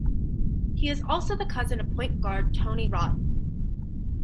He is also the cousin of point guard Tony Wroten.